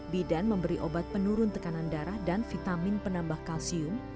bidan memberi obat penurun tekanan darah dan vitamin penambah kalsium